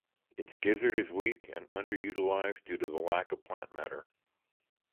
Its gizzard is weak, and underutilised due to the lack of plant matter.